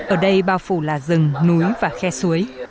ở đây bao phủ là rừng núi và khe suối